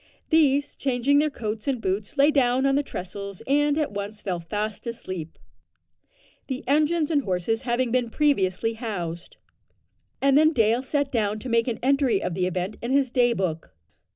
These, changing their coats and boots, lay down on the trestles, and at once fell fast asleep the engine and horses having been previously housed and then Dale sat down to make an entry of the event in his day book.